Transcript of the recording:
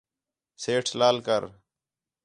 سیٹھ لال کر